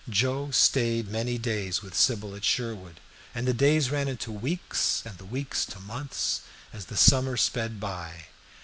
Joe stayed many days with Sybil at Sherwood, and the days ran into weeks and the weeks to months as the summer sped by.